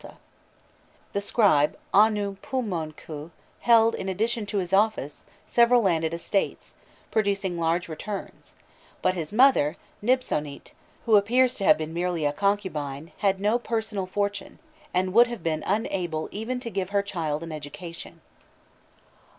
His father, the scribe Anûpûmonkhû, held, in addition to his office, several landed estates, producing large returns; but his mother, Nibsonît, who appears to have been merely a concubine, had no personal fortune, and would have been unable even to give her child an education.